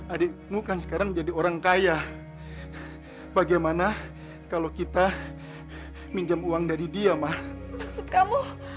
adikmu kan sekarang menjadi orang kaya bagaimana kalau kita minjam uang dari dia mah sukamuh